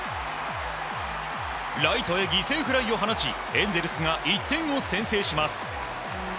ライトへ犠牲フライを放ちエンゼルスが１点を先制します。